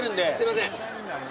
すいません。